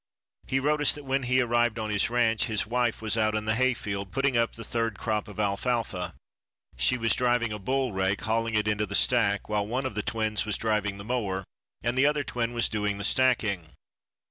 He wrote us that when he arrived on his ranch, his wife was out in the hayfield putting up the third crop of alfalfa. She was driving a bull rake, hauling it into the stack, while one of the twins was driving the mower and the other twin was doing the stacking.